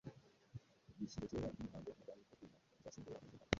Bishyize kera, iby'imihango y'ibwami byo kwimika uzasimbura Mazimpaka